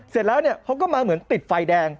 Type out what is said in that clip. เสร็จแล้วเนี่ยเขาก็มาเหมือนติดไฟแดง